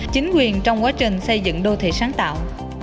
chính quyền trong quá trình xây dựng đô thị sáng tạo